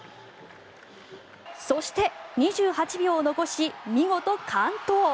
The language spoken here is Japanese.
そして、２８秒を残し見事、完登。